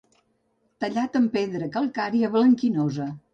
Tallat en pedra calcària blanquinosa.